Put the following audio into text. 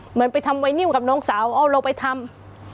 เหมือนไปทำไวนิวกับน้องสาวเอาเราไปทำ